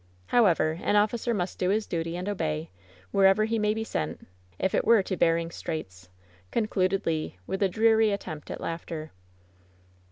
However, an officer must do his duty and obey, wherever he may be sent — if it were to Behring's Straits!" concluded Le, with a dreary attempt at laughter.